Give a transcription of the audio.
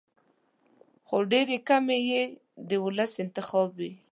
خو ډېرې کمې به یې د ولس انتخاب وي.